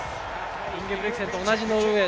インゲブリクセンと同じノルウェー。